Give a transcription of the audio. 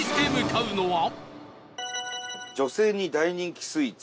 「女性に大人気スイーツ」。